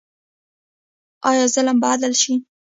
آیا ظلم به عدل شي؟